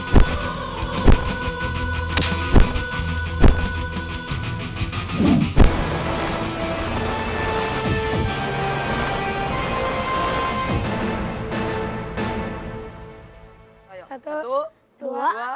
janganlah masalah bluetooth